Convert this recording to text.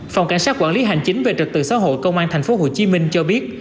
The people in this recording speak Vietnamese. phòng cảnh sát quản lý hành chính về trật tự xã hội công an tp hcm cho biết